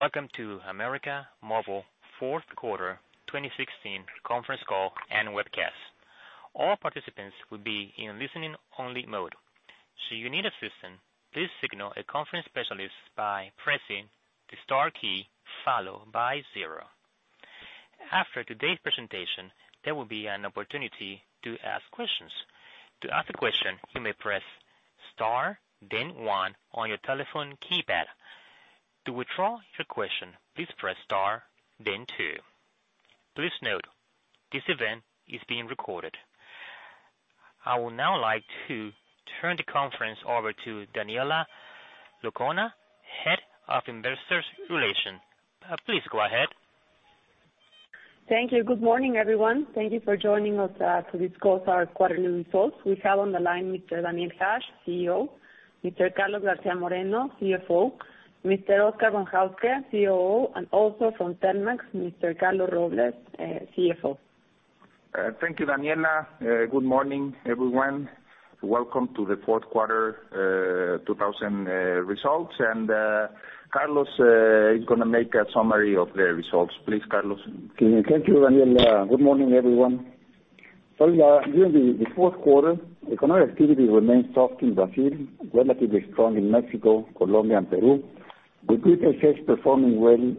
Welcome to América Móvil fourth quarter 2016 conference call and webcast. All participants will be in listening only mode. Should you need assistance, please signal a conference specialist by pressing the star key followed by zero. After today's presentation, there will be an opportunity to ask questions. To ask a question, you may press star, then one on your telephone keypad. To withdraw your question, please press star, then two. Please note, this event is being recorded. I would now like to turn the conference over to Daniela Lecuona, Head of Investor Relations. Please go ahead. Thank you. Good morning, everyone. Thank you for joining us to discuss our quarterly results. We have on the line Mr. Daniel Hajj, CEO, Mr. Carlos Garcia Moreno, CFO, Mr. Óscar Von Hauske, COO, and also from Telmex, Mr. Carlos Robles, CFO. Thank you, Daniela. Good morning, everyone. Welcome to the fourth quarter 2000 results. Carlos is going to make a summary of the results. Please, Carlos. Thank you, Daniel. Good morning, everyone. During the fourth quarter, economic activity remained soft in Brazil, relatively strong in Mexico, Colombia, and Peru, with [inaudible] sales performing well,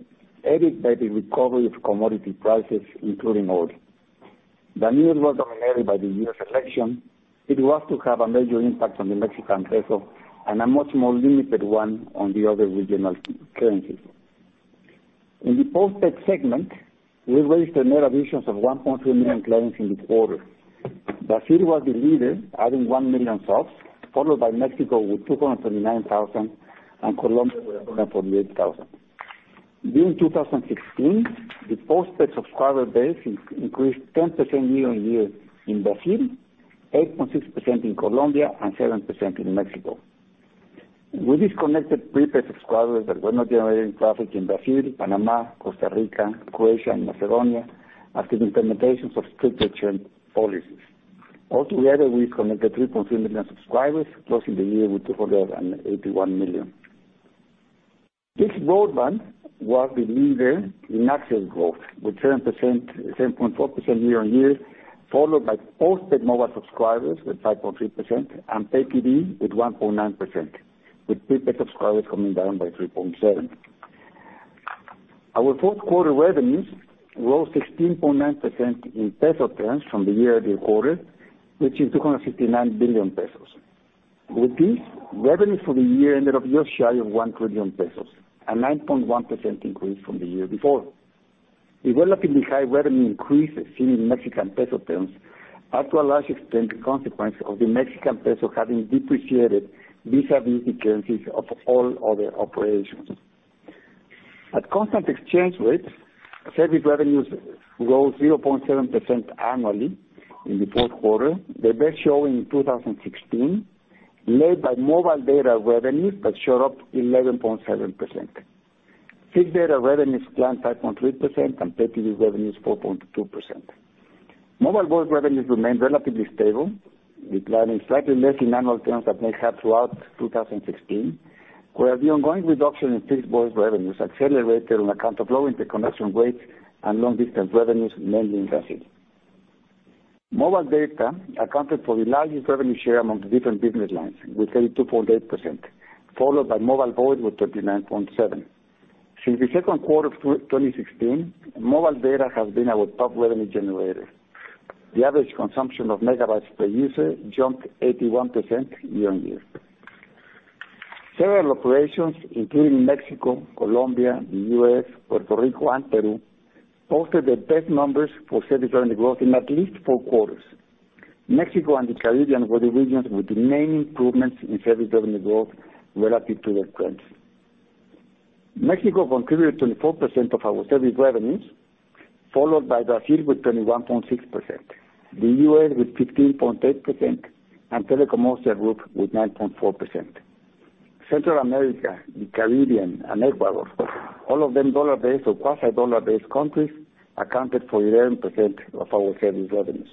aided by the recovery of commodity prices, including oil. The new year was dominated by the U.S. election. It was to have a major impact on the Mexican peso and a much more limited one on the other regional currencies. In the postpaid segment, we registered net additions of 1.3 million clients in the quarter. Brazil was the leader, adding 1 million subs, followed by Mexico with 229,000 and Colombia with 148,000. During 2016, the postpaid subscriber base increased 10% year-on-year in Brazil, 8.6% in Colombia, and 7% in Mexico. We disconnected prepaid subscribers that were not generating traffic in Brazil, Panama, Costa Rica, Croatia, and Macedonia after the implementation of strict return policies. Altogether, we connected 3.3 million subscribers, closing the year with 281 million. Fixed broadband was the leader in active growth with 10.4% year-on-year, followed by postpaid mobile subscribers with 5.3% and Pay TV with 1.9%, with prepaid subscribers coming down by 3.7%. Our fourth quarter revenues rose 16.9% in peso terms from the year-end quarter, reaching 259 billion pesos. With this, revenues for the year ended up just shy of 1 trillion pesos, a 9.1% increase from the year before. The relatively high revenue increase seen in Mexican peso terms are to a large extent the consequence of the Mexican peso having depreciated vis-à-vis the currencies of all other operations. At constant exchange rates, service revenues rose 0.7% annually in the fourth quarter, their best show in 2016, led by mobile data revenues that shot up 11.7%. Fixed data revenues declined 5.3% and Pay TV revenues 4.2%. Mobile voice revenues remained relatively stable, declining slightly less in annual terms than they had throughout 2016, whereas the ongoing reduction in fixed voice revenues accelerated on account of low interconnection rates and long-distance revenues, mainly in Brazil. Mobile data accounted for the largest revenue share among the different business lines, with 32.8%, followed by mobile voice with 39.7%. Since the second quarter of 2016, mobile data has been our top revenue generator. The average consumption of megabytes per user jumped 81% year-on-year. Several operations, including Mexico, Colombia, the U.S., Puerto Rico, and Peru, posted their best numbers for service revenue growth in at least four quarters. Mexico and the Caribbean were the regions with the main improvements in service revenue growth relative to their trends. Mexico contributed 24% of our service revenues, followed by Brazil with 21.6%, the U.S. with 15.8%, and Telekom Austria Group with 9.4%. Central America, the Caribbean, and Ecuador, all of them dollar-based or quasi-dollar-based countries, accounted for 11% of our service revenues.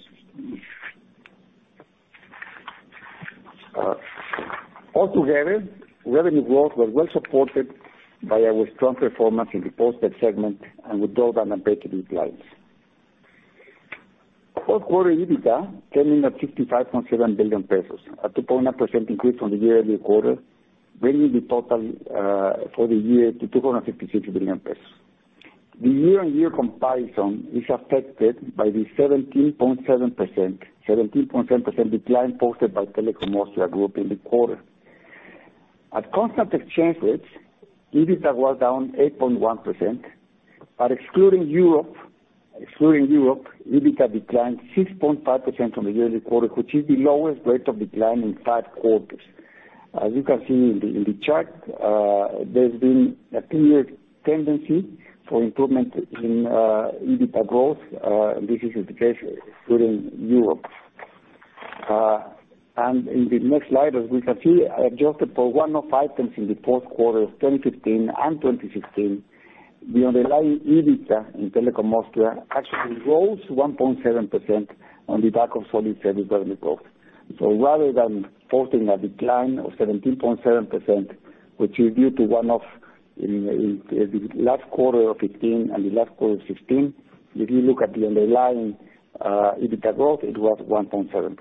Altogether, revenue growth was well supported by our strong performance in the postpaid segment and with broadband and PTD clients. Fourth quarter EBITDA came in at 55.7 billion pesos, a 2.9% increase from the year-earlier quarter, bringing the total for the year to 256 billion pesos. The year-on-year comparison is affected by the 17.7% decline posted by Telekom Austria Group in the quarter. At constant exchange rates, EBITDA was down 8.1%, but excluding Europe, EBITDA declined 6.5% from the year-earlier quarter, which is the lowest rate of decline in five quarters. As you can see in the chart, there's been a clear tendency for improvement in EBITDA growth. This is the case excluding Europe. In the next slide, as we can see, adjusted for one-off items in the fourth quarter of 2015 and 2016, the underlying EBITDA in Telekom Austria actually rose 1.7% on the back of solid service revenue growth. Rather than posting a decline of 17.7%, which is due to one-off in the last quarter of 2015 and the last quarter of 2016, if you look at the underlying EBITDA growth, it was 1.7%.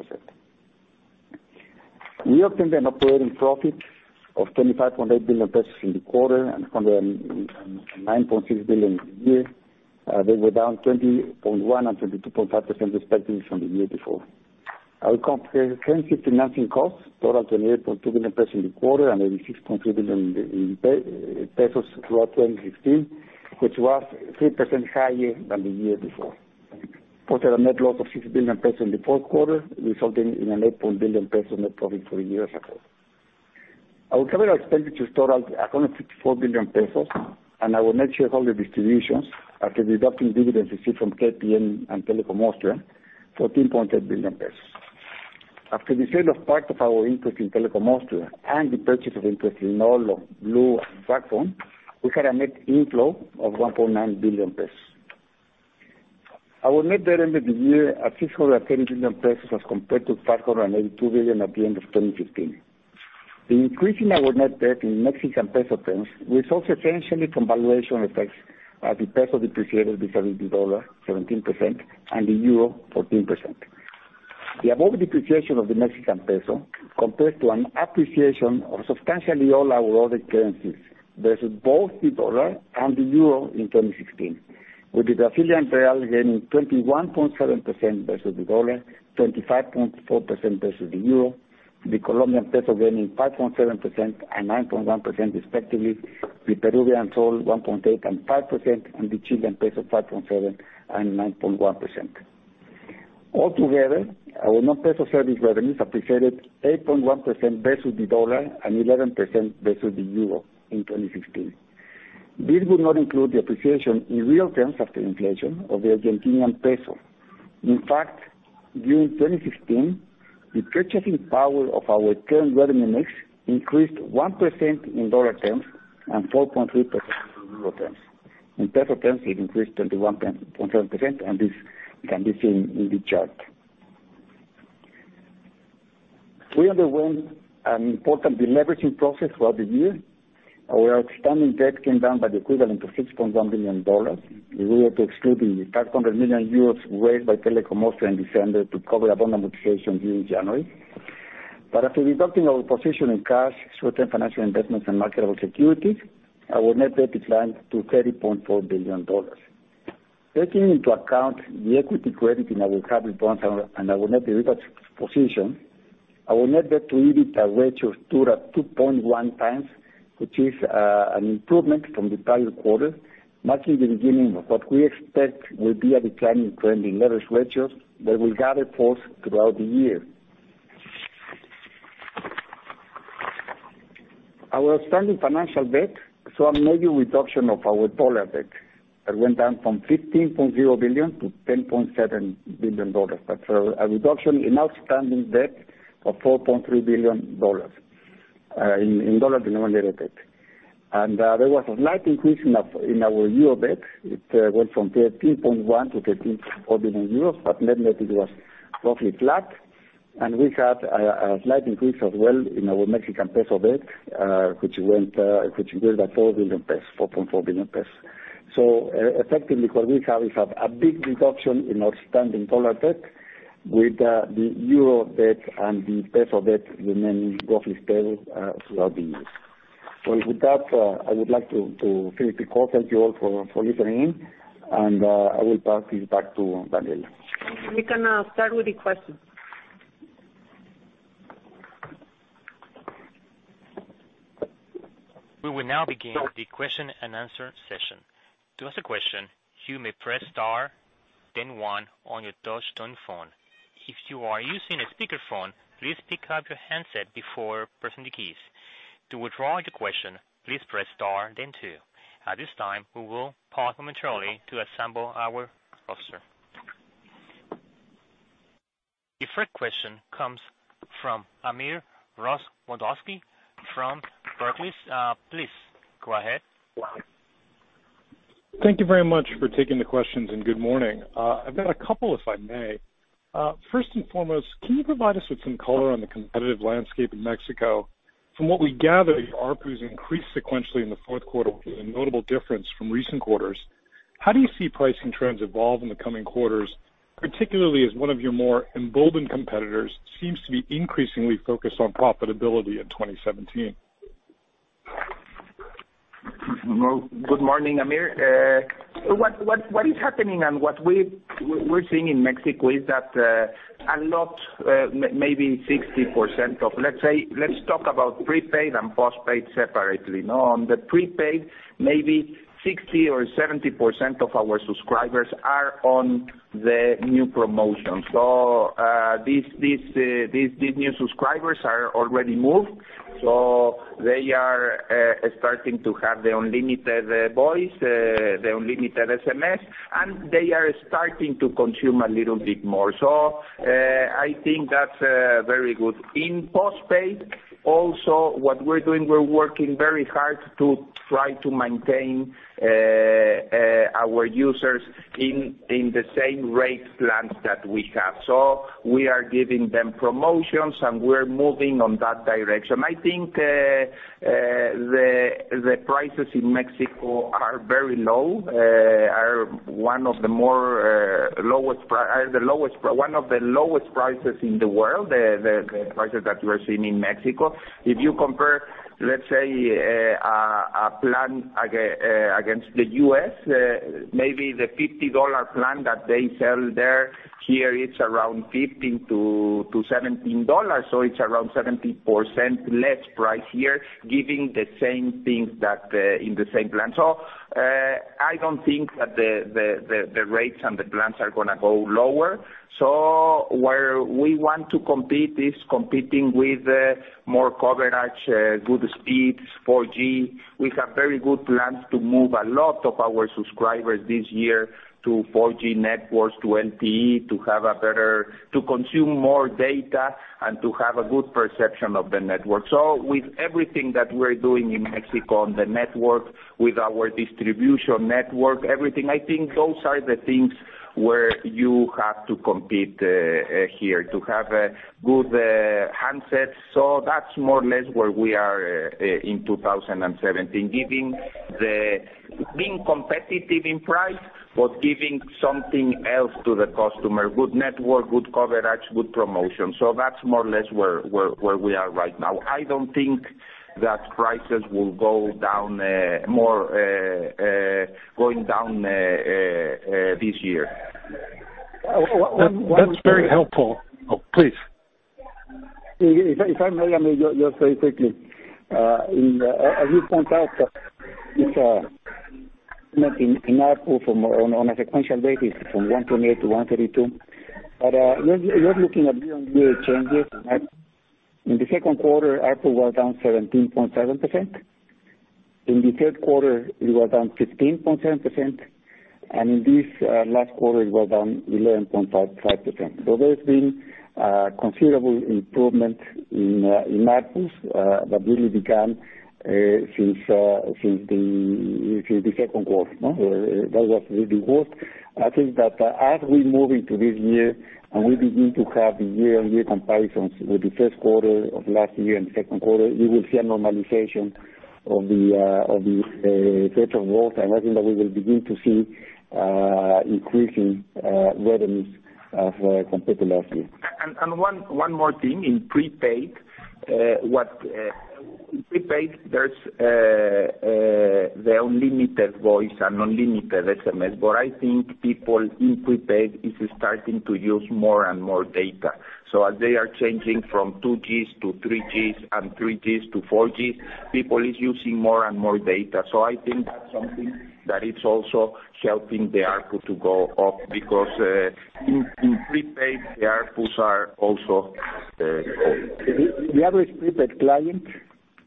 We obtained an operating profit of 25.8 billion pesos in the quarter and 109.6 billion in the year. They were down 20.1% and 22.5% respectively from the year before. Our comprehensive financing costs totaled 28.2 billion pesos in the quarter and 86.3 billion pesos throughout 2016, which was 3% higher than the year before. Posted a net loss of 6 billion pesos in the fourth quarter, resulting in an 8 billion pesos net profit for the year as a whole. Our CapEx totaled at 164 billion pesos, and our net shareholder distributions, after deducting dividends received from KPN and Telekom Austria, 14.8 billion pesos. After the sale of part of our interest in Telekom Austria and the purchase of interest in Olo, Blue and Backbone, we had a net inflow of 1.9 billion pesos. Our net debt at the end of the year at 610 billion pesos as compared to 582 billion at the end of 2015. The increase in our net debt in Mexican peso terms results essentially from valuation effects as the peso depreciated vis-à-vis the dollar, 17%, and the euro, 14%. The above depreciation of the Mexican peso compares to an appreciation of substantially all our other currencies versus both the dollar and the euro in 2016, with the Brazilian real gaining 21.7% versus the dollar, 25.4% versus the euro, the Colombian peso gaining 5.7% and 9.1% respectively, the Peruvian sol 1.8% and 5%, and the Chilean peso 5.7% and 9.1%. Altogether, our non-peso service revenues appreciated 8.1% versus the dollar and 11% versus the euro in 2016. This would not include the appreciation in real terms after inflation of the Argentinian peso. In fact, during 2016, the purchasing power of our current revenue mix increased 1% in dollar terms and 4.3% in euro terms. In peso terms, it increased 21.7%, and this can be seen in the chart. We underwent an important deleveraging process throughout the year. Our outstanding debt came down by the equivalent to $6.1 billion, if we were to exclude the 500 million euros raised by Telekom Austria in December to cover a bond amortization due in January. But after deducting our position in cash, short-term financial investments and marketable securities, our net debt declined to $30.4 billion. Taking into account the equity credit in our hybrid bonds and our net derivatives position, our net debt to EBITDA ratio stood at 2.1 times, which is an improvement from the prior quarter, marking the beginning of what we expect will be a declining trending leverage ratio that will gather force throughout the year. Our outstanding financial debt saw a major reduction of our dollar debt. It went down from $15.0 billion to $10.7 billion. That's a reduction in outstanding debt of $4.3 billion, in dollar-denominated debt. There was a slight increase in our euro debt. It went from 13.1 billion euros to 13.4 billion euros, but net net it was roughly flat. We had a slight increase as well in our Mexican peso debt, which grew by 4 billion pesos, 4.4 billion pesos. Effectively, what we have is a big reduction in outstanding dollar debt with the euro debt and the peso debt remaining roughly stable throughout the year. Well, with that, I would like to finish the call. Thank you all for listening. I will pass it back to Daniela. Thank you. We can start with the questions. We will now begin the question and answer session. To ask a question, you may press star then one on your touchtone phone. If you are using a speakerphone, please pick up your handset before pressing the keys. To withdraw your question, please press star then two. At this time, we will pause momentarily to assemble our roster. The first question comes from Amir Rozwadowski from Barclays. Please go ahead. Thank you very much for taking the questions. Good morning. I've got a couple, if I may. First and foremost, can you provide us with some color on the competitive landscape in Mexico? From what we gather, your ARPUs increased sequentially in the fourth quarter, which is a notable difference from recent quarters. How do you see pricing trends evolve in the coming quarters, particularly as one of your more emboldened competitors seems to be increasingly focused on profitability in 2017? Good morning, Amir. What is happening, what we're seeing in Mexico is that a lot, maybe 60%, of let's say, let's talk about prepaid and postpaid separately. On the prepaid, maybe 60% or 70% of our subscribers are on the new promotion. These new subscribers are already moved. They are starting to have the unlimited voice, the unlimited SMS, and they are starting to consume a little bit more. I think that's very good. In postpaid also, what we're doing, we're working very hard to try to maintain our users in the same rate plans that we have. We are giving them promotions, and we're moving on that direction. I think the prices in Mexico are very low, are one of the lowest prices in the world, the prices that you are seeing in Mexico. If you compare a plan against the U.S., maybe the $50 plan that they sell there, here it's around 15 to MXN 17. It's around 70% less price here giving the same things in the same plan. I don't think that the rates and the plans are going to go lower. Where we want to compete is competing with more coverage, good speeds, 4G. We have very good plans to move a lot of our subscribers this year to 4G networks, to LTE, to consume more data and to have a good perception of the network. With everything that we're doing in Mexico on the network, with our distribution network, everything, I think those are the things where you have to compete here to have good handsets. That's more or less where we are in 2017. Being competitive in price, but giving something else to the customer, good network, good coverage, good promotion. That's more or less where we are right now. I don't think that prices will go down more this year. That's very helpful. Oh, please. If I may, Amir, just very quickly. As you point out, it's an improvement in ARPU on a sequential basis from 128 to 132. You're looking at year-on-year changes. In the Q2, ARPU was down 17.7%. In the Q3, it was down 15.7%, and in this last quarter, it was down 11.55%. There's been considerable improvement in ARPUs that really began since the Q2. That was really the worst. I think that as we move into this year, and we begin to have the year-on-year comparisons with the first quarter of last year and second quarter, we will see a normalization of the rate of growth. I imagine that we will begin to see increasing revenues for comparative last year. One more thing in prepaid. In prepaid, there's the unlimited voice and unlimited SMS, I think people in prepaid is starting to use more and more data. As they are changing from 2G to 3G and 3G to 4G, people is using more and more data. I think that's something that is also helping the ARPU to go up because, in prepaid, the ARPUs are also up. The average prepaid client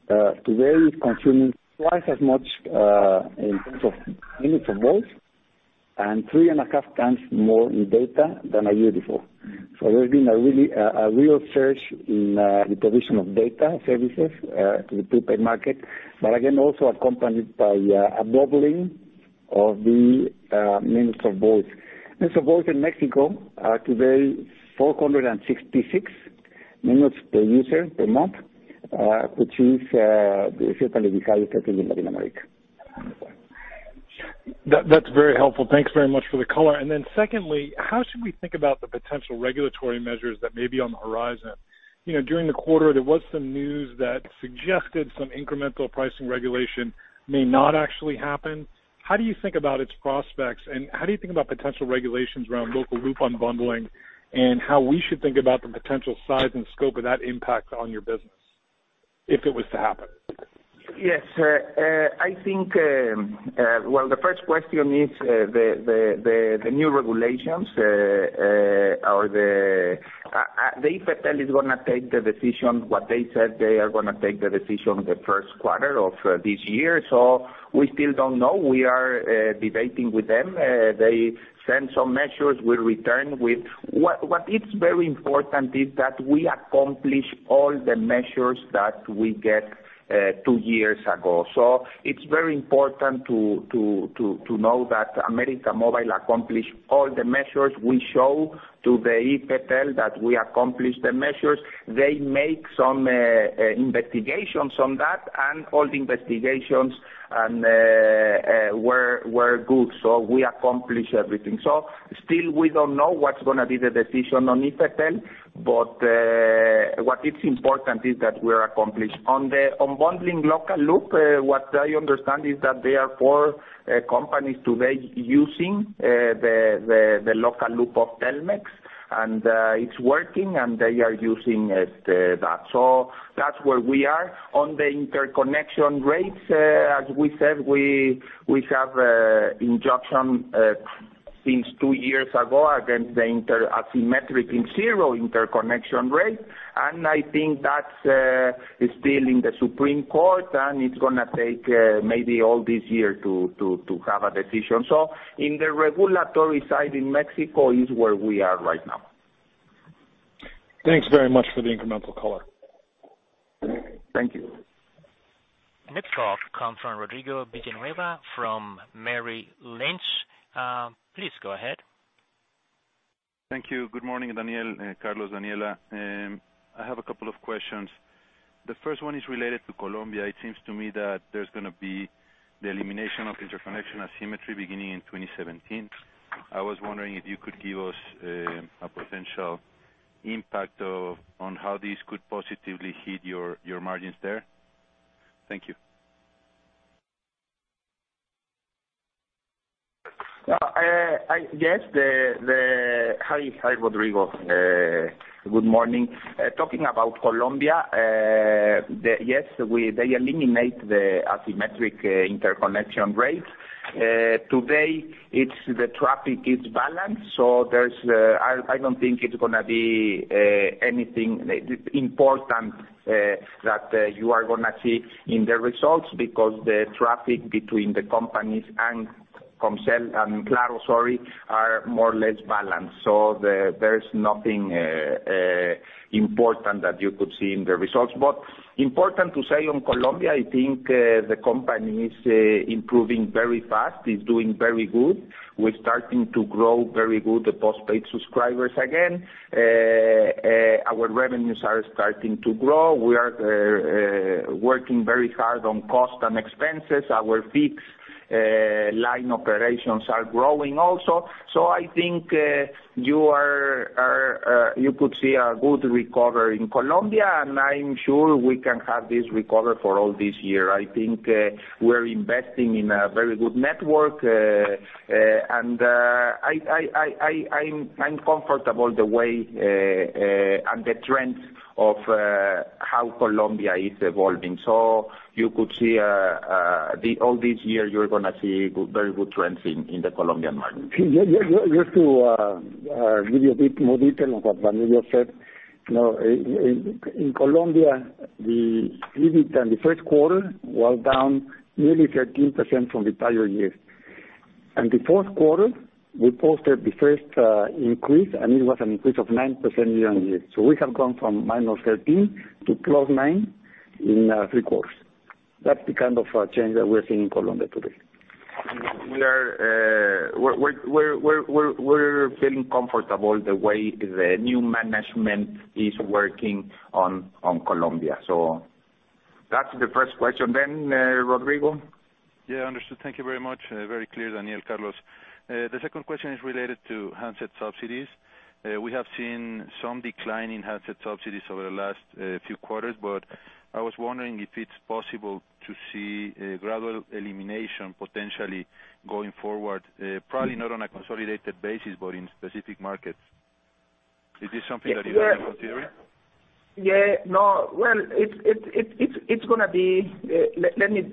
today is consuming 2 times as much in terms of minutes of voice and 3.5 times more in data than a year before. There's been a real surge in the provision of data services to the prepaid market, again, also accompanied by a doubling of the minutes of voice. Minutes of voice in Mexico are today 466 minutes per user per month, which is certainly the highest I think in Latin America. That's very helpful. Thanks very much for the color. Secondly, how should we think about the potential regulatory measures that may be on the horizon? During the quarter, there was some news that suggested some incremental pricing regulation may not actually happen. How do you think about its prospects, how do you think about potential regulations around local loop unbundling and how we should think about the potential size and scope of that impact on your business if it was to happen? I think, well, the first question is, the new regulations. The IFT is going to take the decision, what they said they are going to take the decision the first quarter of this year. We still don't know. We are debating with them. They send some measures, we'll return with. What is very important is that we accomplish all the measures that we get two years ago. It's very important to know that América Móvil accomplished all the measures. We show to the IFT that we accomplished the measures. They make some investigations on that, all the investigations and were good. We accomplished everything. Still we don't know what's going to be the decision on Ifetel, what is important is that we're accomplished. On the unbundling local loop, what I understand is that there are four companies today using the local loop of Telmex, and it's working, and they are using that. That's where we are. On the interconnection rates, as we said, we have injunction since two years ago against the asymmetric and zero interconnection rate, and I think that's still in the Supreme Court, and it's going to take maybe all this year to have a decision. In the regulatory side in Mexico is where we are right now. Thanks very much for the incremental color. Thank you. Next call comes from Rodrigo Villanueva from Merrill Lynch. Please go ahead. Thank you. Good morning, Daniel, Carlos, Daniela. I have a couple of questions. The first one is related to Colombia. It seems to me that there's going to be the elimination of interconnection asymmetry beginning in 2017. I was wondering if you could give us a potential impact on how this could positively hit your margins there. Thank you. Yes. Hi, Rodrigo. Good morning. Talking about Colombia, yes, they eliminate the asymmetric interconnection rate. Today, the traffic is balanced. I don't think it's going to be anything important that you are going to see in the results because the traffic between the companies and Claro are more or less balanced. There's nothing important that you could see in the results. Important to say on Colombia, I think the company is improving very fast, is doing very good. We're starting to grow very good the postpaid subscribers again. Our revenues are starting to grow. We are working very hard on cost and expenses. Our fixed line operations are growing also. I think you could see a good recovery in Colombia, and I'm sure we can have this recovery for all this year. I think we're investing in a very good network, and I'm comfortable the way and the trends of how Colombia is evolving. All this year, you're going to see very good trends in the Colombian market. Just to give you a bit more detail on what Daniel said. In Colombia, the EBITDA in the first quarter was down nearly 13% from the prior year. In the fourth quarter, we posted the first increase, and it was an increase of 9% year-over-year. We have gone from -13% to +9% in three quarters. That's the kind of change that we're seeing in Colombia today. We're feeling comfortable the way the new management is working on Colombia. That's the first question then, Rodrigo? Understood. Thank you very much. Very clear, Daniel, Carlos. The second question is related to handset subsidies. We have seen some decline in handset subsidies over the last few quarters. I was wondering if it's possible to see a gradual elimination potentially going forward, probably not on a consolidated basis, but in specific markets. Is this something that you are considering?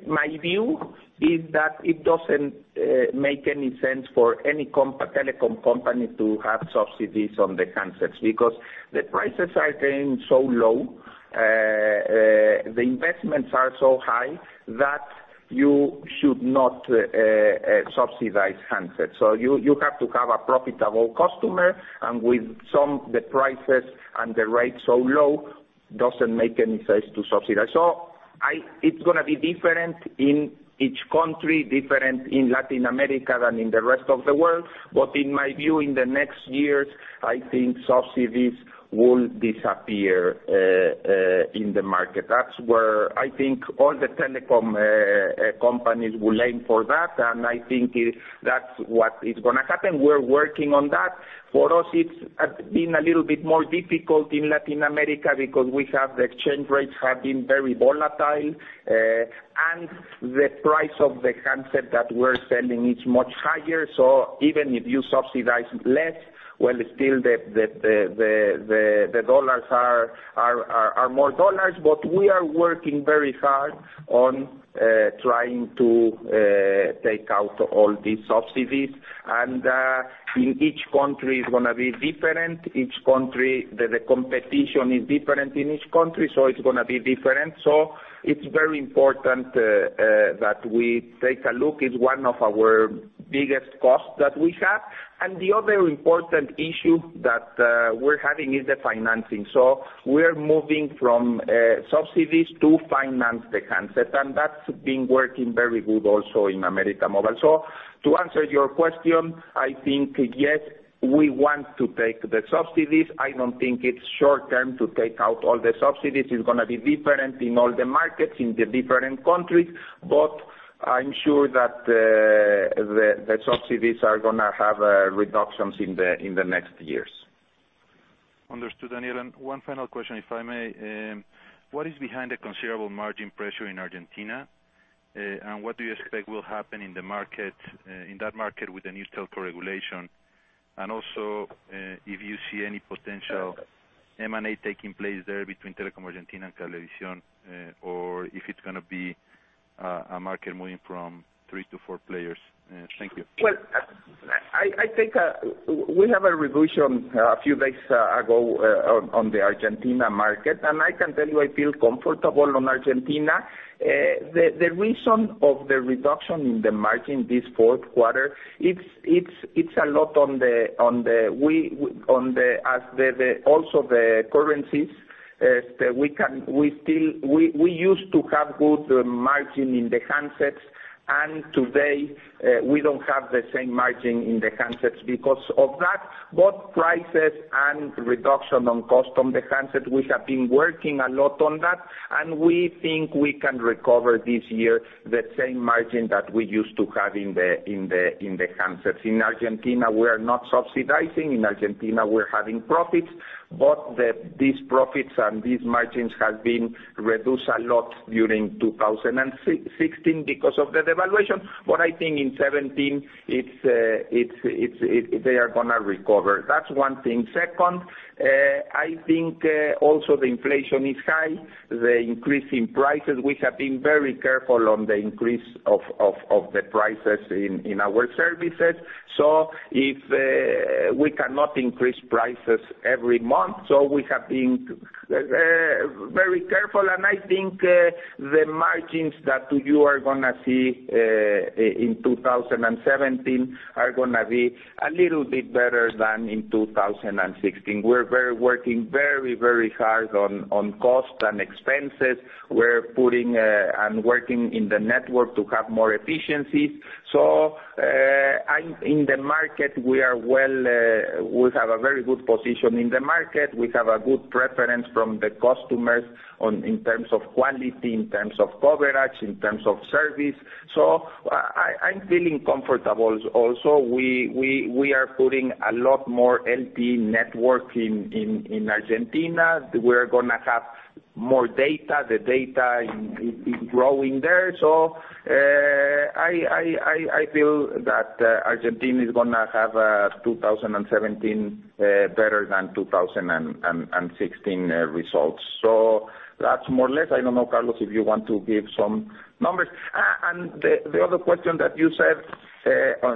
My view is that it doesn't make any sense for any telecom company to have subsidies on the handsets, because the prices are getting so low, the investments are so high that you should not subsidize handsets. You have to have a profitable customer, and with the prices and the rates so low, doesn't make any sense to subsidize. It's going to be different in each country, different in Latin America than in the rest of the world. In my view, in the next years, I think subsidies will disappear in the market. That's where I think all the telecom companies will aim for that, and I think that's what is going to happen. We're working on that. For us, it's been a little bit more difficult in Latin America because the exchange rates have been very volatile. The price of the handset that we're selling is much higher. Even if you subsidize less, well, still the dollars are more dollars. We are working very hard on trying to take out all these subsidies, and in each country it's going to be different. The competition is different in each country, it's going to be different. It's very important that we take a look. It's one of our biggest costs that we have. The other important issue that we're having is the financing. We're moving from subsidies to finance the handset, and that's been working very good also in América Móvil. To answer your question, I think, yes, we want to take the subsidies. I don't think it's short-term to take out all the subsidies. It's going to be different in all the markets, in the different countries. I'm sure that the subsidies are going to have reductions in the next years. Understood, Daniel. One final question, if I may. What is behind the considerable margin pressure in Argentina? What do you expect will happen in that market with the new telco regulation? Also, if you see any potential M&A taking place there between Telecom Argentina and Cablevisión, or if it's going to be a market moving from three to four players. Thank you. Well, I think we have a revolution a few days ago on the Argentina market. I can tell you I feel comfortable on Argentina. The reason of the reduction in the margin this fourth quarter, it's a lot on also the currencies. We used to have good margin in the handsets. Today, we don't have the same margin in the handsets because of that, both prices and reduction on cost on the handset. We have been working a lot on that. We think we can recover this year the same margin that we used to have in the handsets. In Argentina, we're not subsidizing. In Argentina, we're having profits, these profits and these margins have been reduced a lot during 2016 because of the devaluation. I think in 2017, they are going to recover. That's one thing. Second, I think also the inflation is high, the increase in prices. We have been very careful on the increase of the prices in our services. We cannot increase prices every month, we have been very careful. I think the margins that you are going to see in 2017 are going to be a little bit better than in 2016. We're working very hard on cost and expenses. We're putting and working in the network to have more efficiency. In the market, we have a very good position in the market. We have a good preference from the customers in terms of quality, in terms of coverage, in terms of service. I'm feeling comfortable. Also, we are putting a lot more LTE network in Argentina. We're going to have more data. The data is growing there. I feel that Argentina is going to have 2017 better than 2016 results. That's more or less. I don't know, Carlos, if you want to give some numbers. The other question that you said,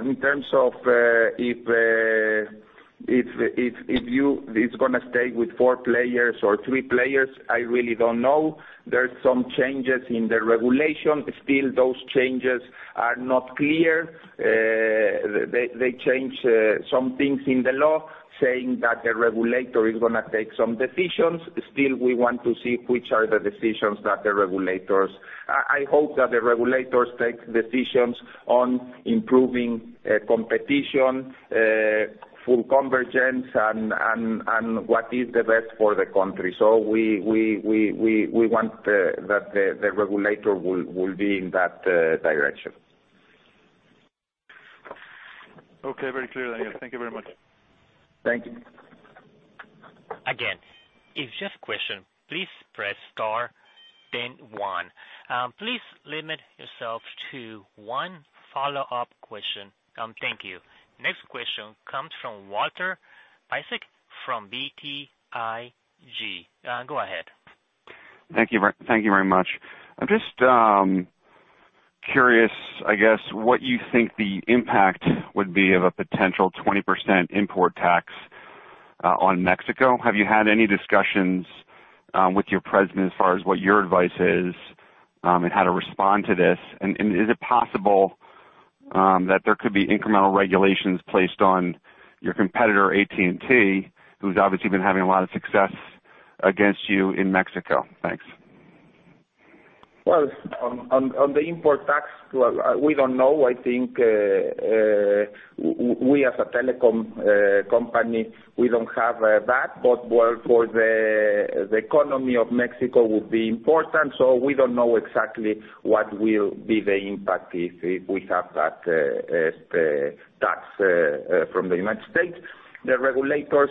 in terms of if it's going to stay with four players or three players, I really don't know. There's some changes in the regulation. Still, those changes are not clear. They change some things in the law saying that the regulator is going to take some decisions. Still, we want to see which are the decisions that the regulators I hope that the regulators take decisions on improving competition, full convergence, and what is the best for the country. We want that the regulator will be in that direction. Okay. Very clear, Daniel. Thank you very much. Thank you. Again, if you have a question, please press star then one. Please limit yourself to one follow-up question. Thank you. Next question comes from Walter Piecyk from BTIG. Go ahead. Thank you very much. I'm just curious, I guess, what you think the impact would be of a potential 20% import tax on Mexico. Have you had any discussions with your president as far as what your advice is, and how to respond to this? Is it possible that there could be incremental regulations placed on your competitor, AT&T, who's obviously been having a lot of success against you in Mexico? Thanks. Well, on the import tax, we don't know. I think we as a telecom company, we don't have that, but for the economy of Mexico would be important. We don't know exactly what will be the impact if we have that tax from the United States. The regulators,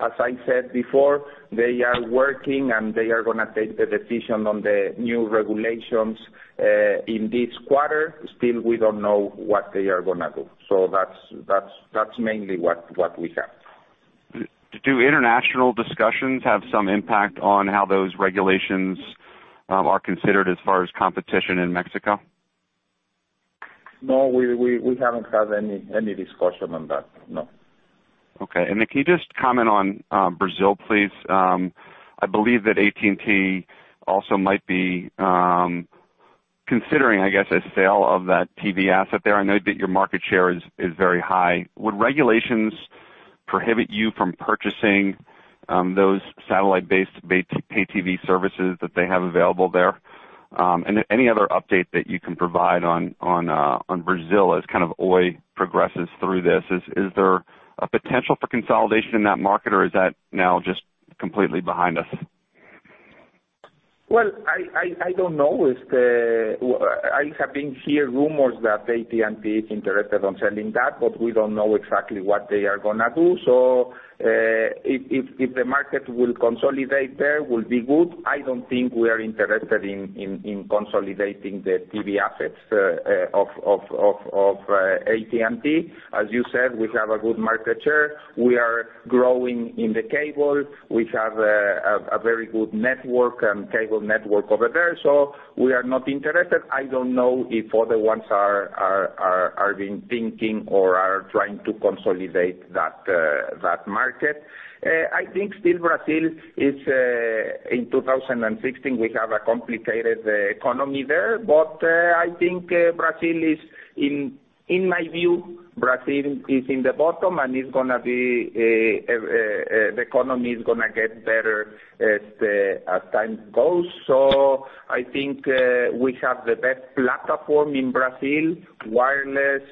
as I said before, they are working, they are going to take the decision on the new regulations in this quarter. Still, we don't know what they are going to do. That's mainly what we have. Do international discussions have some impact on how those regulations are considered as far as competition in Mexico? No, we haven't had any discussion on that. No. Okay. Can you just comment on Brazil, please? I believe that AT&T also might be considering, I guess, a sale of that TV asset there. I know that your market share is very high. Would regulations prohibit you from purchasing those satellite-based Pay TV services that they have available there? Any other update that you can provide on Brazil as Oi progresses through this. Is there a potential for consolidation in that market, or is that now just completely behind us? Well, I don't know. I have been hear rumors that AT&T is interested on selling that, we don't know exactly what they are going to do. If the market will consolidate there, will be good. I don't think we are interested in consolidating the TV assets of AT&T. As you said, we have a good market share. We are growing in the cable. We have a very good cable network over there, so we are not interested. I don't know if other ones are been thinking or are trying to consolidate that market. I think still Brazil is, in 2016, we have a complicated economy there. I think, in my view, Brazil is in the bottom and the economy is going to get better as time goes. I think we have the best platform in Brazil, wireless,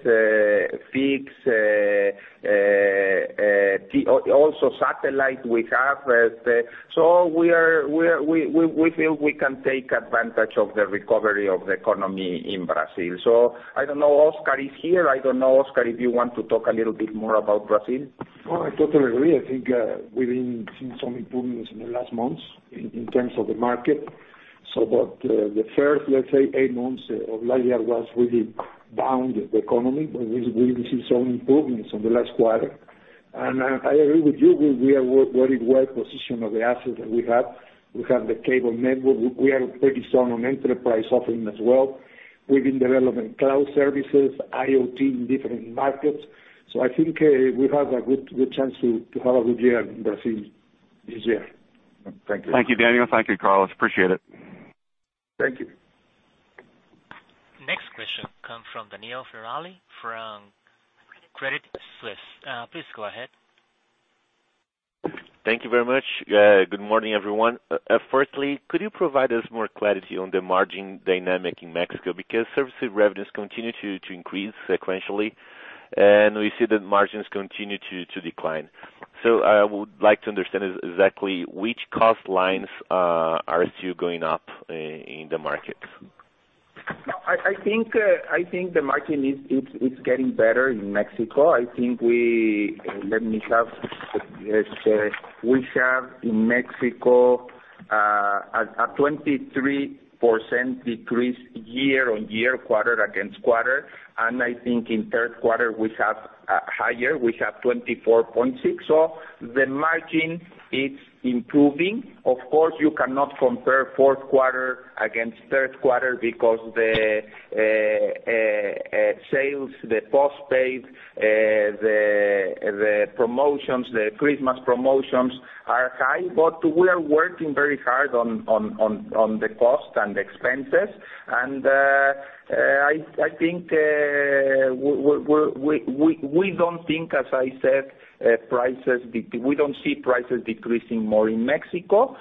fixed, also satellite we have. We feel we can take advantage of the recovery of the economy in Brazil. I don't know, Oscar is here. I don't know, Oscar, if you want to talk a little bit more about Brazil. No, I totally agree. I think we've been seeing some improvements in the last months in terms of the market. The first, let's say, eight months of last year was really down, the economy, but we've seen some improvements on the last quarter. I agree with you, we are very well positioned on the assets that we have. We have the cable network. We are pretty strong on enterprise offering as well. We've been developing cloud services, IoT in different markets. I think we have a good chance to have a good year in Brazil this year. Thank you. Thank you, Daniel. Thank you, Carlos. Appreciate it. Thank you. Next question comes from Daniel Federle from Credit Suisse. Please go ahead. Thank you very much. Good morning, everyone. Could you provide us more clarity on the margin dynamic in Mexico? Services revenues continue to increase sequentially, and we see that margins continue to decline. I would like to understand exactly which cost lines are still going up in the market. I think the margin is getting better in Mexico. Let me check. We have in Mexico a 23% decrease year-over-year, quarter-over-quarter, I think in 3Q we have higher, we have 24.6%. The margin is improving. Of course, you cannot compare 4Q against 3Q because the sales, the postpaid, the Christmas promotions are high. We are working very hard on the cost and expenses. We don't see prices decreasing more in Mexico.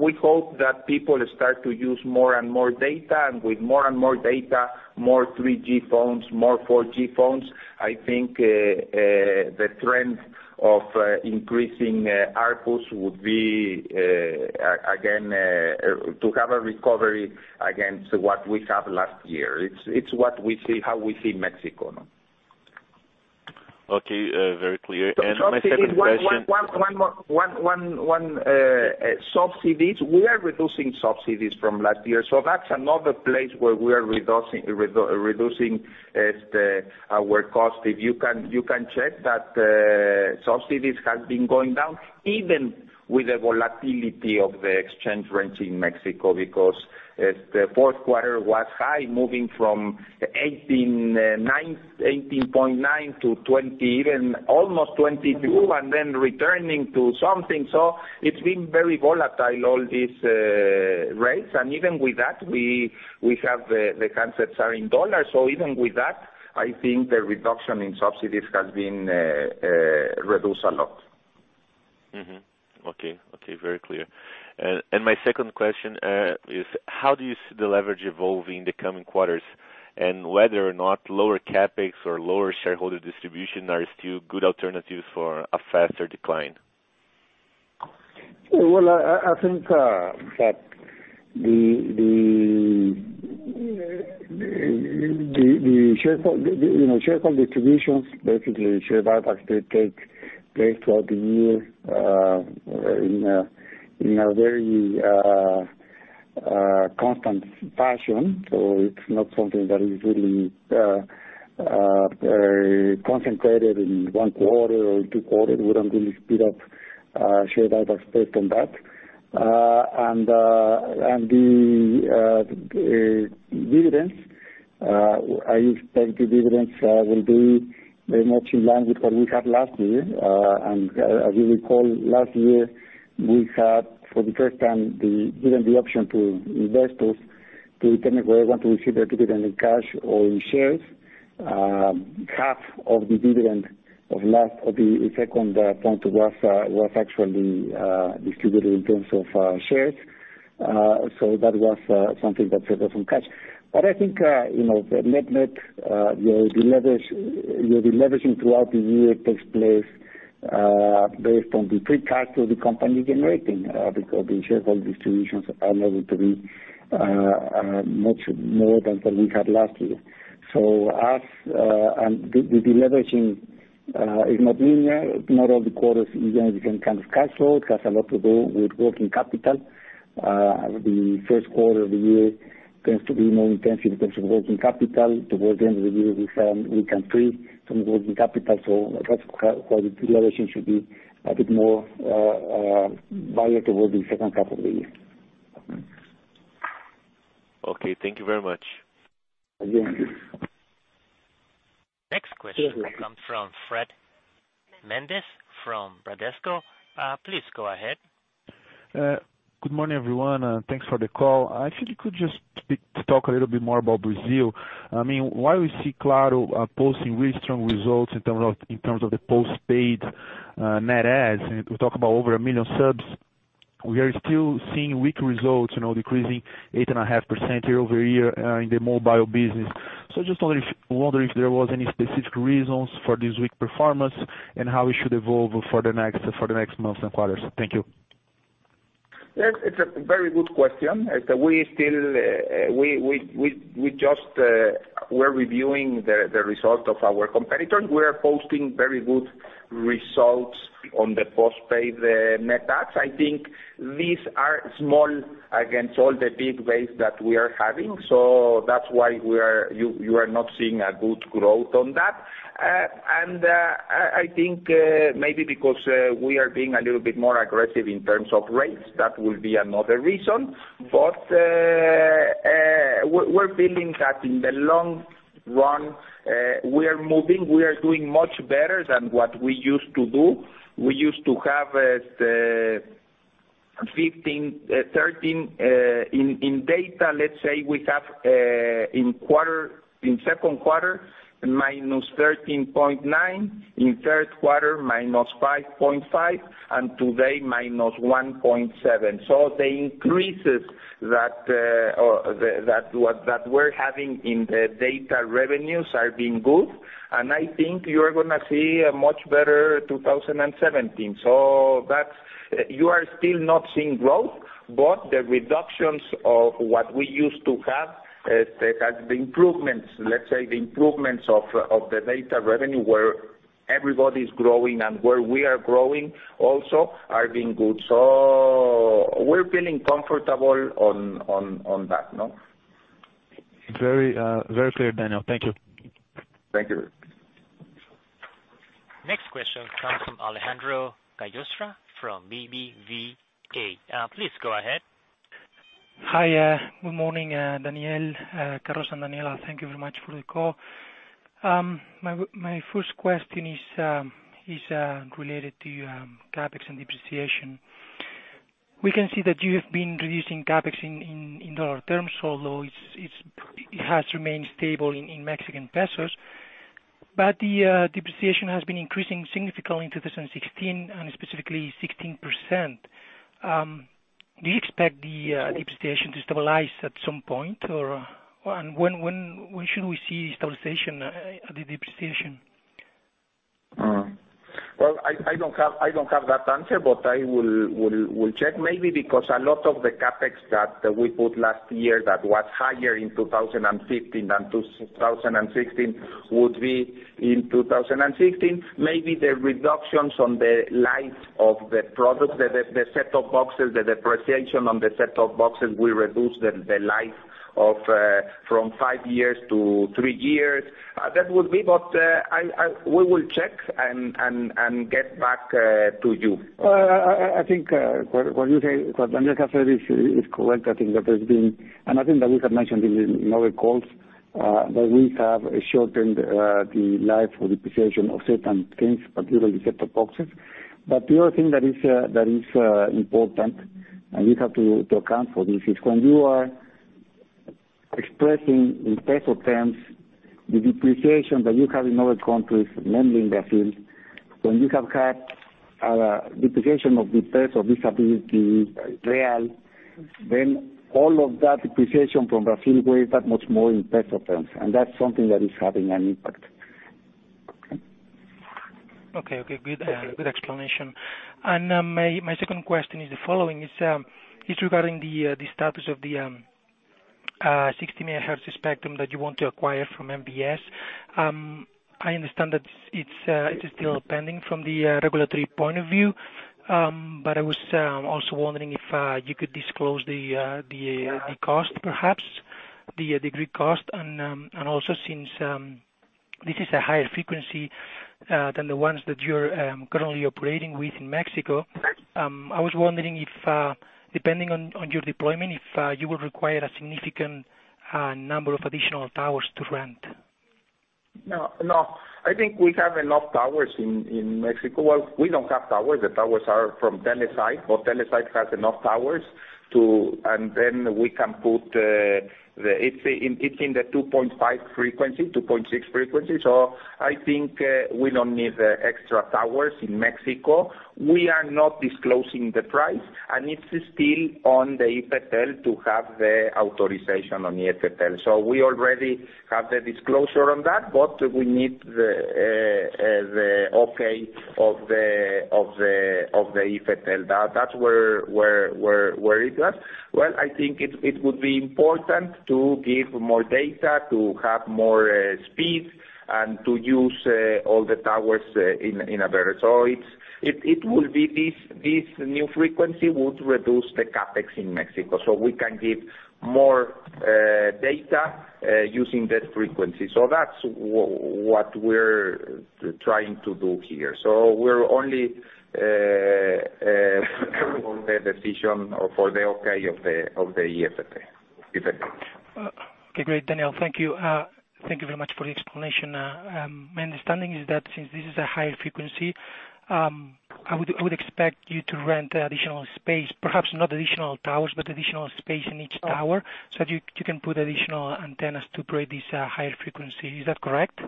We hope that people start to use more and more data, with more and more data, more 3G phones, more 4G phones. I think the trend of increasing ARPU would be, again, to have a recovery against what we have last year. It's how we see Mexico. Okay, very clear. My second question- One more. Subsidies. We are reducing subsidies from last year. That's another place where we are reducing our cost. You can check that subsidies have been going down, even with the volatility of the exchange rates in Mexico, because the 4Q was high, moving from $18.9 to $20, even almost $22, then returning to something. It's been very volatile, all these rates. Even with that, the concepts are in dollars. Even with that, I think the reduction in subsidies has been reduced a lot. Okay. Very clear. My second question is, how do you see the leverage evolving in the coming quarters? Whether or not lower CapEx or lower shareholder distribution are still good alternatives for a faster decline? Well, I think that the shareholder distributions, basically share buybacks, they take place throughout the year in a very constant fashion. It's not something that is really very concentrated in one quarter or two quarters. We don't really speed up share buybacks based on that. The dividends, I expect the dividends will be very much in line with what we had last year. As you recall, last year, we had, for the first time, given the option to investors to tell me whether they want to receive their dividend in cash or in shares. Half of the dividend of the second point was actually distributed in terms of shares. That was something that's different cash. I think the net, your deleverage throughout the year takes place based on the free cash flow the company generating, because the shareholder distributions are going to be much more than what we had last year. The deleveraging is not linear. Not all the quarters is going to become cash flow. It has a lot to do with working capital. The first quarter of the year tends to be more intensive in terms of working capital. Towards the end of the year, we can free some working capital, that's how the deleveraging should be a bit more bias towards the second half of the year. Okay. Thank you very much. Yes. Next question comes from Fred Mendes from Bradesco. Please go ahead. Good morning, everyone, and thanks for the call. If you could just talk a little bit more about Brazil. While we see Claro posting really strong results in terms of the postpaid net adds, we talk about over a million subs, we are still seeing weak results, decreasing 8.5% year-over-year in the mobile business. I was just wondering if there was any specific reasons for this weak performance and how it should evolve for the next months and quarters. Thank you. Yes, it's a very good question. We're reviewing the result of our competitors. We're posting very good results on the postpaid net adds. I think these are small against all the big waves that we are having. That's why you are not seeing a good growth on that. I think maybe because we are being a little bit more aggressive in terms of rates, that will be another reason. We're feeling that in the long run, we are moving, we are doing much better than what we used to do. We used to have 15%, 13% in data, let's say we have in second quarter, -13.9%, in third quarter, -5.5%, and today, -1.7%. The increases that we're having in the data revenues are being good, and I think you're going to see a much better 2017. You are still not seeing growth, the reductions of what we used to have, let's say, the improvements of the data revenue where everybody's growing and where we are growing also, are being good. We're feeling comfortable on that now. Very clear, Daniel. Thank you. Thank you. Next question comes from Alejandro Gallostra from BBVA. Please go ahead. Hi. Good morning, Daniel, Carlos, and Daniela. Thank you very much for the call. My first question is related to CapEx and depreciation. We can see that you have been reducing CapEx in dollar terms, although it has remained stable in MXN. The depreciation has been increasing significantly in 2016, and specifically 16%. Do you expect the depreciation to stabilize at some point? When should we see stabilization of the depreciation? Well, I don't have that answer, but I will check. Maybe because a lot of the CapEx that we put last year that was higher in 2015 than 2016 would be in 2016, maybe the reductions on the life of the product, the set-top boxes, the depreciation on the set-top boxes will reduce the life from five years to three years. That would be, but we will check and get back to you. I think what Daniel has said is correct. I think that there's been, and I think that we have mentioned in other calls, that we have shortened the life of depreciation of certain things, particularly set-top boxes. The other thing that is important, and you have to account for this, is when you are expressing in MXN terms the depreciation that you have in other countries, namely in Brazil, when you have had a depreciation of the MXN, this ability, BRL, then all of that depreciation from Brazil weighs that much more in MXN terms, and that's something that is having an impact. Good explanation. My second question is the following. It's regarding the status of the 60 MHz spectrum that you want to acquire from MVS. I understand that it is still pending from the regulatory point of view, but I was also wondering if you could disclose the cost perhaps, the agreed cost, and also since this is a higher frequency than the ones that you're currently operating with in Mexico, I was wondering if, depending on your deployment, if you would require a significant number of additional towers to rent. No, I think we have enough towers in Mexico. Well, we don't have towers. The towers are from Telesites, but Telesites has enough towers. Then we can put it in the 2.5 frequency, 2.6 frequency. I think we don't need the extra towers in Mexico. We are not disclosing the price, and it's still on the IFT to have the authorization on the IFT. We already have the disclosure on that, but we need the okay of the IFT. That's where it was. Well, I think it would be important to give more data, to have more speed, and to use all the towers in America. This new frequency would reduce the CapEx in Mexico, so we can give more data using that frequency. That's what we're trying to do here. We're only waiting on the decision or for the okay of the IFT. Okay, great, Daniel. Thank you. Thank you very much for the explanation. My understanding is that since this is a higher frequency, I would expect you to rent additional space, perhaps not additional towers, but additional space in each tower, so that you can put additional antennas to create this higher frequency. Is that correct?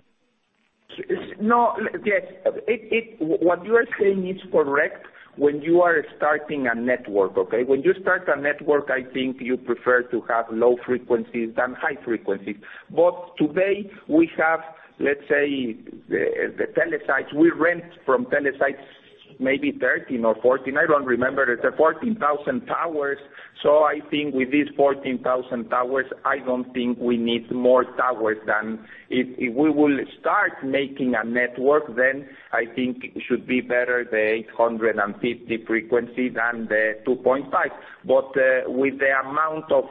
No. Yes. What you are saying is correct when you are starting a network, okay? When you start a network, I think you prefer to have low frequencies than high frequencies. Today we have, let's say, the Telesites. We rent from Telesites, maybe 13 or 14, I don't remember. There are 14,000 towers, so I think with these 14,000 towers, I don't think we need more towers. If we will start making a network, then I think it should be better the 850 frequency than the 2.5. With the amount of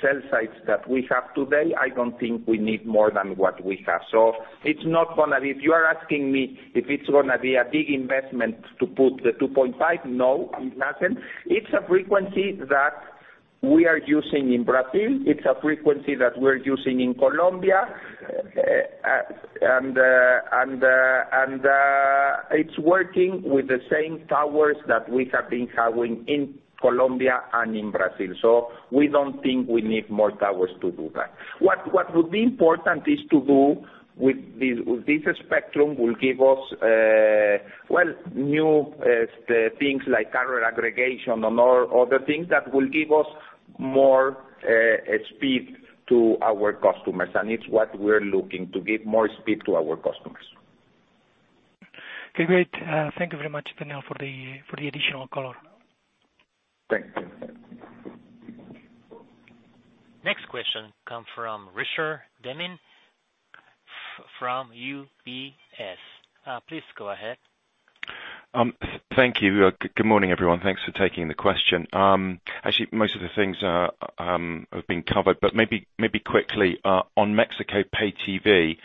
cell sites that we have today, I don't think we need more than what we have. If you are asking me if it's going to be a big investment to put the 2.5, no, it is nothing. It's a frequency that we are using in Brazil. It's a frequency that we're using in Colombia. It's working with the same towers that we have been having in Colombia and in Brazil. We don't think we need more towers to do that. What would be important is to do with this spectrum will give us new things like carrier aggregation and all other things that will give us more speed to our customers, and it's what we're looking, to give more speed to our customers. Okay, great. Thank you very much, Daniel, for the additional color. Thanks. Next question come from Richard Dineen from UBS. Please go ahead. Thank you. Good morning, everyone. Thanks for taking the question. Actually, most of the things have been covered, but maybe quickly on Mexico Pay TV.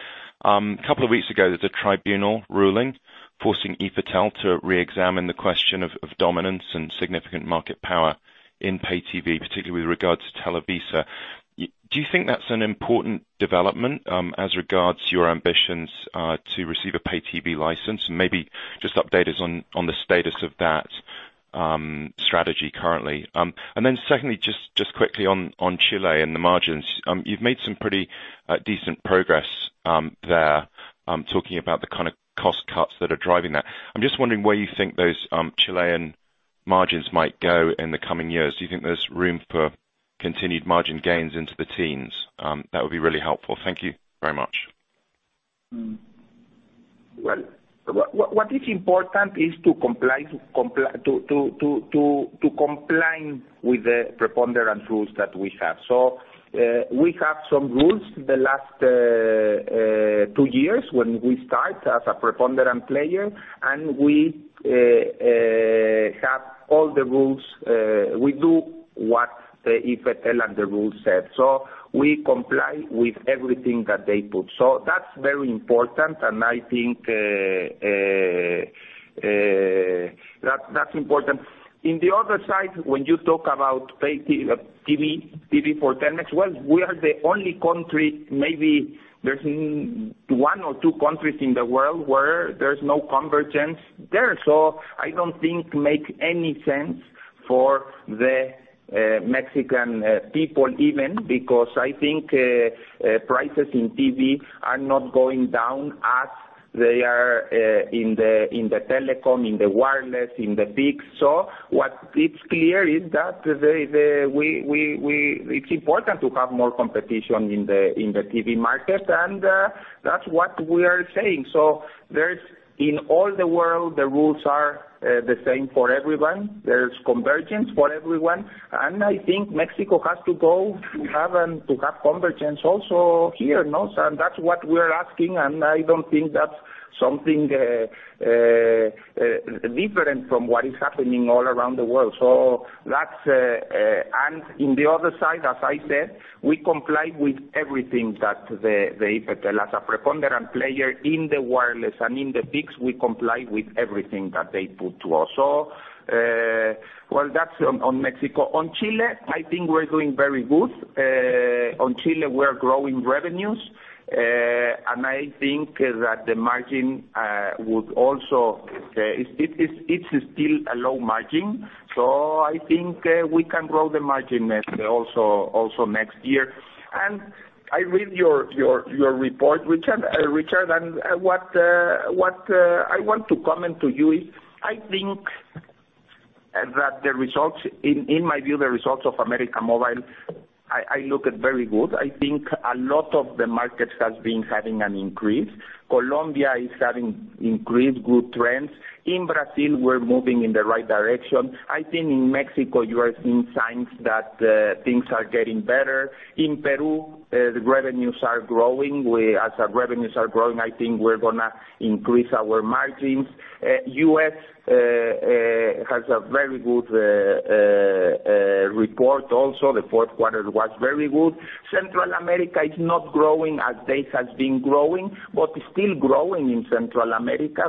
A couple of weeks ago, there was a tribunal ruling forcing IFT to reexamine the question of dominance and significant market power in Pay TV, particularly with regards to Televisa. Do you think that's an important development as regards to your ambitions to receive a Pay TV license? Maybe just update us on the status of that strategy currently. Secondly, just quickly on Chile and the margins. You've made some pretty decent progress there, talking about the kind of cost cuts that are driving that. I'm just wondering where you think those Chilean margins might go in the coming years. Do you think there's room for continued margin gains into the teens? That would be really helpful. Thank you very much. Well, what is important is to comply with the preponderant rules that we have. We have some rules the last two years when we start as a preponderant player, and we have all the rules. We do what the IFT and the rules said. We comply with everything that they put. That's very important, and I think that's important. In the other side, when you talk about Pay TV for Telmex, well, we are the only country, maybe there's one or two countries in the world where there's no convergence there. I don't think make any sense for the Mexican people even, because I think prices in TV are not going down as they are in the telecom, in the wireless, in the fixed. What it's clear is that it's important to have more competition in the TV market, and that's what we are saying. In all the world, the rules are the same for everyone. There's convergence for everyone. I think Mexico has to go to have convergence also here. That's what we're asking, and I don't think that's something different from what is happening all around the world. In the other side, as I said, we comply with everything that the IFT as a preponderant player in the wireless and in the fixed, we comply with everything that they put to us. Well, that's on Mexico. On Chile, I think we're doing very good. We're growing revenues, and I think that the margin would also. It's still a low margin, so I think we can grow the margin also next year. I read your report, Richard, and what I want to comment to you is, I think that the results, in my view, the results of América Móvil, I look at very good. I think a lot of the markets has been having an increase. Colombia is having increased good trends. In Brazil, we're moving in the right direction. I think in Mexico, you are seeing signs that things are getting better. In Peru, the revenues are growing. As our revenues are growing, I think we're going to increase our margins. U.S. has a very good report also. The fourth quarter was very good. Central America is not growing as this has been growing, but still growing in Central America.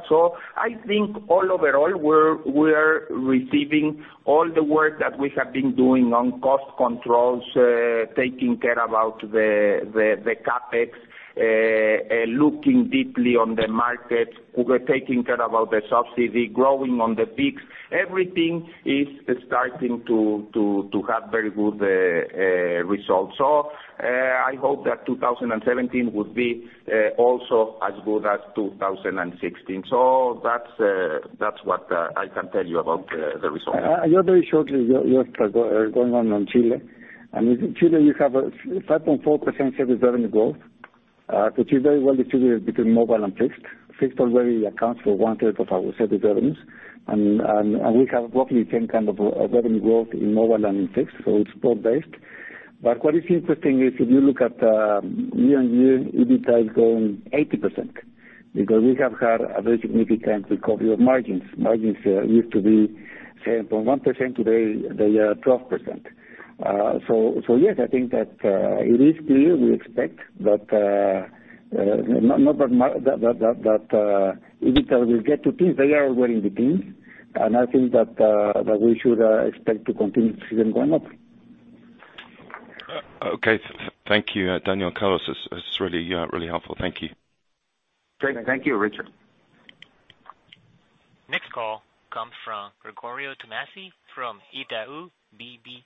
I think all overall, we're receiving all the work that we have been doing on cost controls, taking care about the CapEx, looking deeply on the market. We were taking care about the subsidy, growing on the peaks. Everything is starting to have very good results. I hope that 2017 would be also as good as 2016. That's what I can tell you about the results. Very shortly, going on on Chile. In Chile, you have a 5.4% service revenue growth, which is very well distributed between mobile and fixed. Fixed already accounts for one third of our service revenues, and we have roughly the same kind of revenue growth in mobile and in fixed, it's both based. What is interesting is if you look at year-on-year, EBITDA is growing 80%, because we have had a very significant recovery of margins. Margins used to be 7.1%, today they are 12%. Yes, I think that it is clear we expect that EBITDA will get to teens. They are already in the teens, and I think that we should expect to continue to see them going up. Okay. Thank you, Daniel, Carlos, that's really helpful. Thank you. Great. Thank you, Richard. Next call comes from Gregorio Tomasi from Itaú BBA.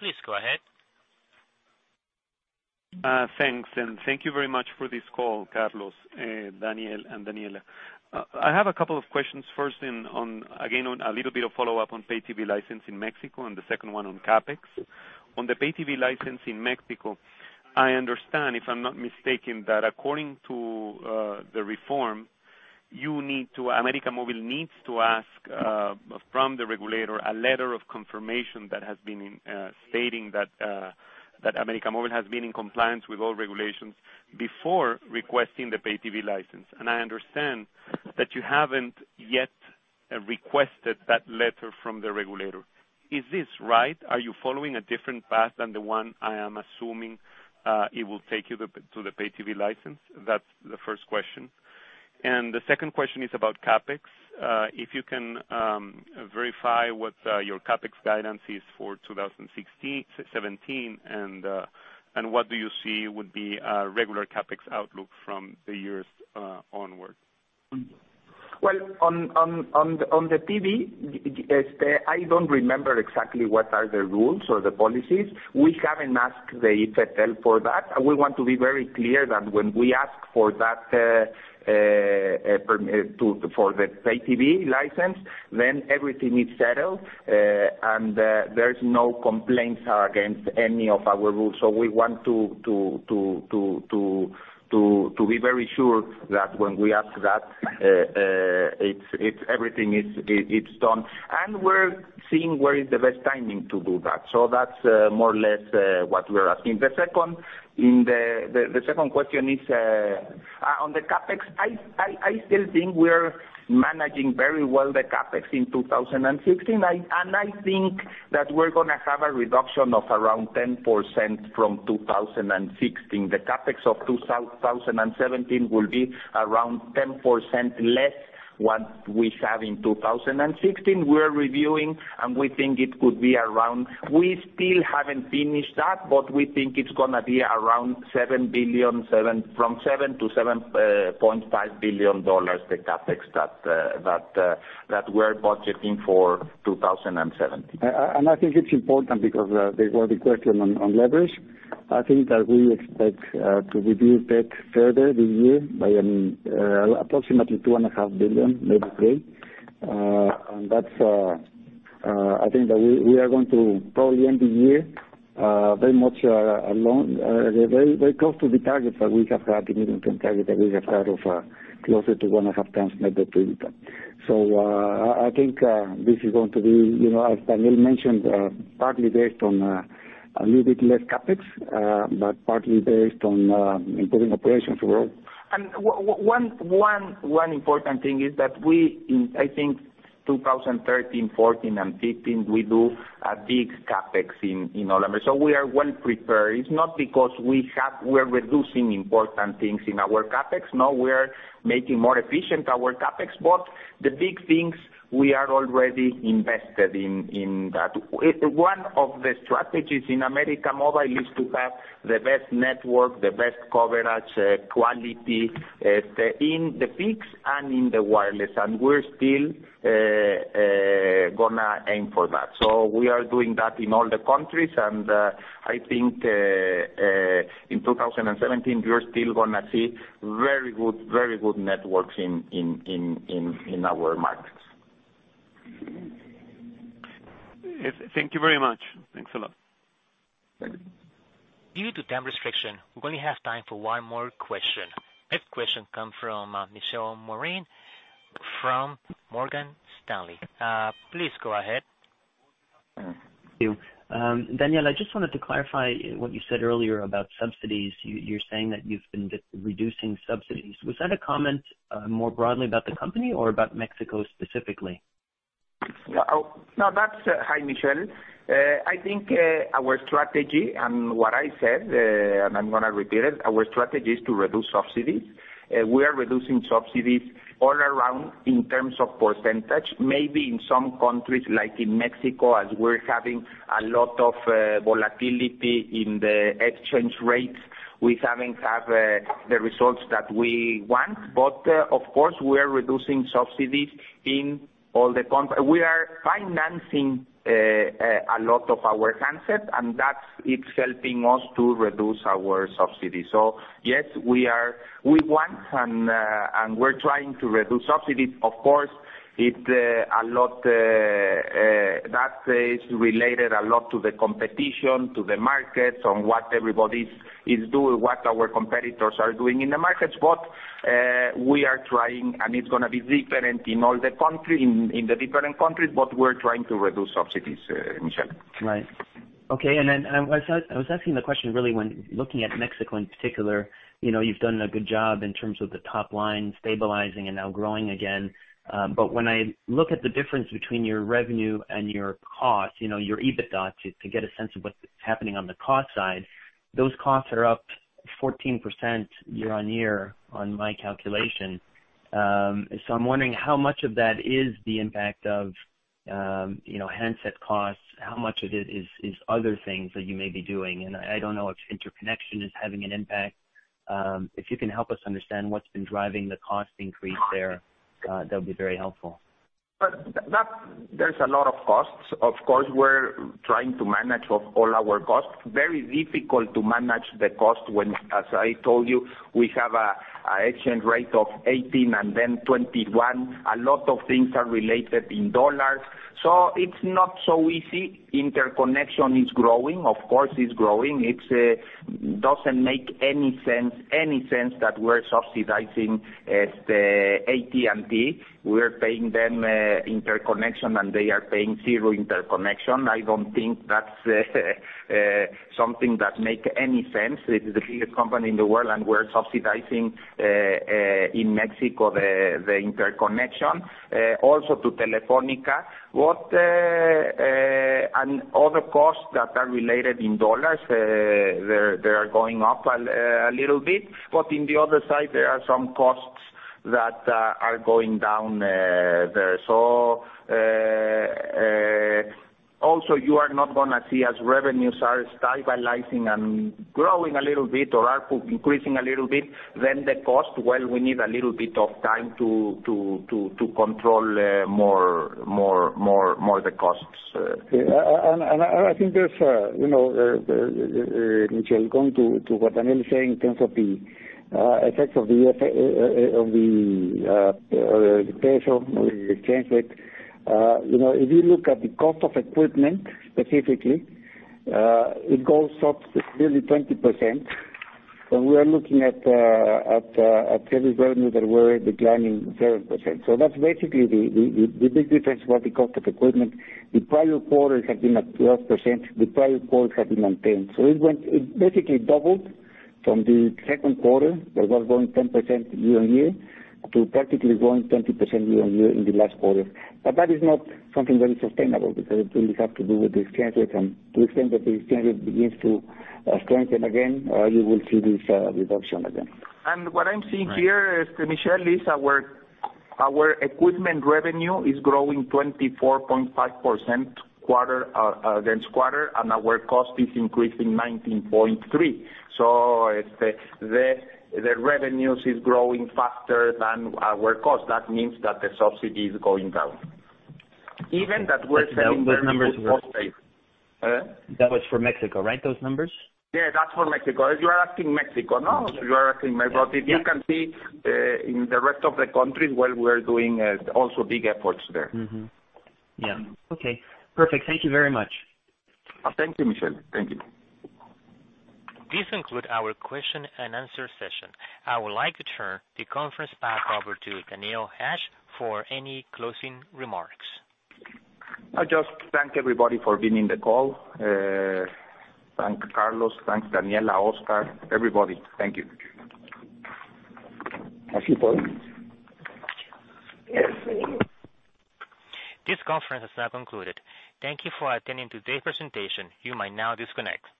Please go ahead. Thanks, and thank you very much for this call, Carlos, Daniel, and Daniela. I have a couple of questions first on, again, on a little bit of follow-up on Pay TV license in Mexico and the second one on CapEx. On the Pay TV license in Mexico, I understand, if I'm not mistaken, that according to the reform, América Móvil needs to ask from the regulator a letter of confirmation that has been stating that América Móvil has been in compliance with all regulations before requesting the Pay TV license. I understand that you haven't yet requested that letter from the regulator. Is this right? Are you following a different path than the one I am assuming it will take you to the Pay TV license? That's the first question. The second question is about CapEx. If you can verify what your CapEx guidance is for 2017, what do you see would be a regular CapEx outlook from the years onward? Well, on the TV, I don't remember exactly what are the rules or the policies. We haven't asked the IFT for that. We want to be very clear that when we ask for the Pay TV license, then everything is settled, and there's no complaints against any of our rules. We want to be very sure that when we ask that, everything is done. We're seeing where is the best timing to do that. That's more or less what we're asking. The second question is on the CapEx. I still think we're managing very well the CapEx in 2016. I think that we're going to have a reduction of around 10% from 2016. The CapEx of 2017 will be around 10% less what we have in 2016. We're reviewing, we think it could be around, we still haven't finished that, we think it's going to be around from $7 billion-$7.5 billion, the CapEx that we're budgeting for 2017. I think it's important because there was a question on leverage. I think that we expect to reduce debt further this year by approximately $2.5 billion, maybe $3. I think that we are going to probably end the year very close to the target that we have had, the medium-term target that we have had of closer to one and a half times net debt to EBITDA. I think this is going to be, as Daniel mentioned, partly based on a little bit less CapEx, but partly based on improving operations overall. One important thing is that we, I think 2013, 2014, and 2015, we do a big CapEx in all America. We are well prepared. It's not because we're reducing important things in our CapEx. No, we're making more efficient our CapEx, but the big things we are already invested in that. One of the strategies in América Móvil is to have the best network, the best coverage, quality, in the fixed and in the wireless, and we're still gonna aim for that. We are doing that in all the countries, and I think in 2017, you're still gonna see very good networks in our markets. Thank you very much. Thanks a lot. Thank you. Due to time restriction, we only have time for one more question. Next question comes from Michel Morin from Morgan Stanley. Please go ahead. Thank you. Daniel, I just wanted to clarify what you said earlier about subsidies. You are saying that you have been reducing subsidies. Was that a comment more broadly about the company or about Mexico specifically? Hi, Michel. I think our strategy and what I said, and I'm gonna repeat it, our strategy is to reduce subsidies. We are reducing subsidies all around in terms of percentage. Maybe in some countries like in Mexico, as we're having a lot of volatility in the exchange rates, we haven't had the results that we want. Of course, we are reducing subsidies in all the countries. We are financing a lot of our handsets, and that, it's helping us to reduce our subsidies. Yes, we want and we're trying to reduce subsidies. Of course, that is related a lot to the competition, to the markets, on what everybody is doing, what our competitors are doing in the markets. We are trying, and it's gonna be different in the different countries, but we're trying to reduce subsidies, Michel. Right. Okay, I was asking the question really when looking at Mexico in particular. You've done a good job in terms of the top line stabilizing and now growing again. When I look at the difference between your revenue and your cost, your EBITDA, to get a sense of what's happening on the cost side, those costs are up 14% year-over-year on my calculation. I'm wondering how much of that is the impact of handset costs? How much of it is other things that you may be doing? I don't know if interconnection is having an impact. If you can help us understand what's been driving the cost increase there, that would be very helpful. There's a lot of costs. Of course, we're trying to manage all our costs. Very difficult to manage the cost when, as I told you, we have an exchange rate of 18 and then 21. A lot of things are related in USD, it's not so easy. Interconnection is growing. Of course, it's growing. It doesn't make any sense that we're subsidizing AT&T. We're paying them interconnection, and they are paying zero interconnection. I don't think that's something that makes any sense. It is the biggest company in the world, and we're subsidizing, in Mexico, the interconnection. Also to Telefónica. Other costs that are related in USD, they are going up a little bit. In the other side, there are some costs that are going down there. You are not going to see as revenues are stabilizing and growing a little bit or are increasing a little bit, the cost, we need a little bit of time to control more the costs. I think there's, Michel, going to what Daniel is saying in terms of the effects of the pressure with the exchange rate. If you look at the cost of equipment specifically, it goes up nearly 20%, and we are looking at Pay TV revenue that were declining 30%. That's basically the big difference about the cost of equipment. The prior quarters have been at 12%, the prior quarters have been on 10%. It basically doubled from the second quarter, that was going 10% year-over-year, to practically going 20% year-over-year in the last quarter. That is not something very sustainable because it really have to do with the exchange rate. To the extent that the exchange rate begins to strengthen again, you will see this reduction again. What I'm seeing here, Michel, is our equipment revenue is growing 24.5% against quarter, and our cost is increasing 19.3%. The revenues is growing faster than our cost. That means that the subsidy is going down. Even that we're selling very good postpaid. That was for Mexico, right? Those numbers? Yeah, that's for Mexico. You are asking Mexico, no? You are asking Mexico. You can see in the rest of the countries, well, we are doing also big efforts there. Yeah. Okay, perfect. Thank you very much. Thank you, Michel. Thank you. This conclude our question and answer session. I would like to turn the conference back over to Daniel Hajj for any closing remarks. I just thank everybody for being in the call. Thank Carlos, thanks Daniela, Oscar, everybody. Thank you. Thank you. This conference has now concluded. Thank you for attending today's presentation. You might now disconnect.